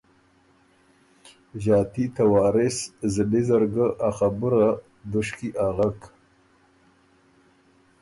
ݫاتی ته وارث زلی زر ګه ا خبُره دُشکی اغک